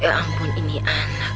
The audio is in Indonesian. ya ampun ini anak